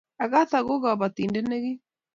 Agatha ko kabotindet nekiim